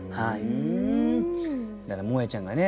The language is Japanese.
もえちゃんがね